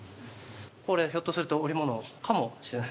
これはひょっとすると織物かもしれない。